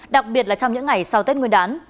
đặc biệt là trong những ngày sau tết nguyên đán